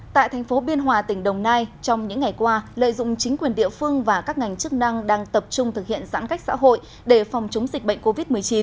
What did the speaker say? tại thành phố biên hòa tỉnh đồng nai trong những ngày qua lợi dụng chính quyền địa phương và các ngành chức năng đang tập trung thực hiện giãn cách xã hội để phòng chống dịch bệnh covid một mươi chín